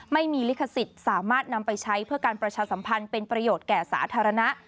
ลิขสิทธิ์สามารถนำไปใช้เพื่อการประชาสัมพันธ์เป็นประโยชน์แก่สาธารณะ